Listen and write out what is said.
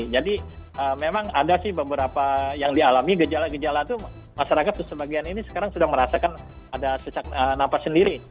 jadi memang ada sih beberapa yang dialami gejala gejala itu masyarakat sebagian ini sekarang sudah merasakan ada sesak napas sendiri